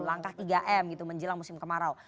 langkah tiga m gitu menjelang musim kemarau